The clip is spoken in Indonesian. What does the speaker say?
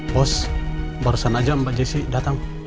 bos barusan aja mbak jessi datang